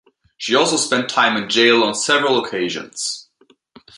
She also spent time in jail on several occasions.